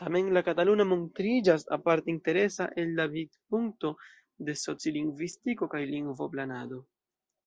Tamen la kataluna montriĝas aparte interesa el la vidpunkto de socilingvistiko kaj lingvoplanado.